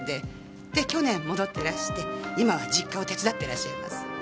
で去年戻っていらして今は実家を手伝っていらっしゃいます。